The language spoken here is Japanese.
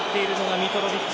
ミトロヴィッチ。